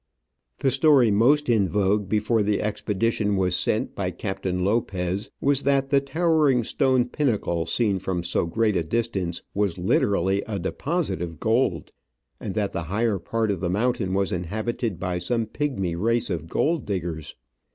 The story most in vogue before the expedition was sent by Captain Lopez was that the towering stone pinnacle seen from so great a distance was literally a deposit of gold, and that the higher part of the mountain was inhabited by some pigmy race of gold diggers.